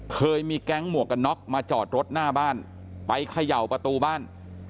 เคยมีแก๊งหมวกกันน็อกมาจอดรถหน้าบ้านไปเขย่าประตูบ้าน